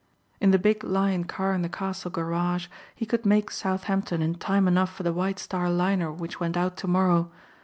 In the big Lion car in the castle garage he could make Southampton in time enough for the White Star liner which went out tomorrow.